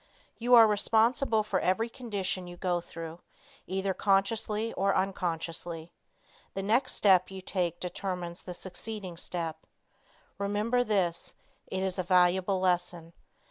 You are responsible for every condition you go through, either consciously or unconsciously. The next step you take determines the succeeding step. Remember this; it is a valuable lesson.